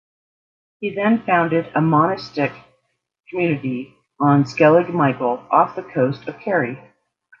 He then founded a monastic community on Skellig Michael, off the coast of Kerry.